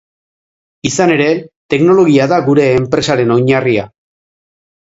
Izan ere, teknologia da gure enpresaren oinarria.